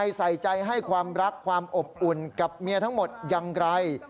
ใส่ใจให้ความรักความอบอุ่นกับเมียทั้งหมดอย่างไร